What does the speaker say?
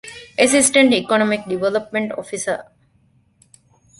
އެސިސްޓެންޓް އިކޮނޮމިކް ޑިވެލޮޕްމަންޓް އޮފިސަރ